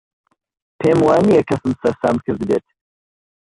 پێم وا نییە کەسم سەرسام کردبێت.